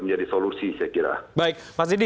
menjadi solusi saya kira baik pak didi